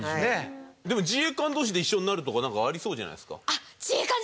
でも自衛官同士で一緒になるとかなんかありそうじゃないですか？